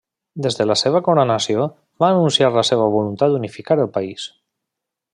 Des de la seva coronació, va anunciar la seva voluntat d'unificar el país.